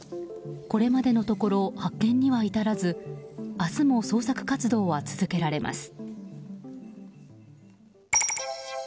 これまでのところ発見には至らず明日も捜索活動は続けられます。